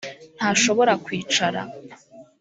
ntashobora kwicara